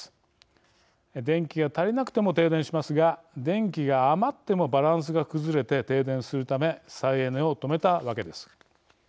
電気が足りなくても停電しますが電気が余ってもバランスが崩れて停電するため再エネを止めたわけです。